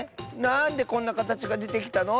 なんでこんなかたちがでてきたの？